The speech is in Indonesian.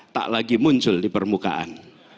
tak lagi muncul di permukaan